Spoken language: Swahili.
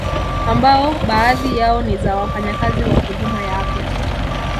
Ambao baadhi yao ni za wafanyakazi wa huduma ya afya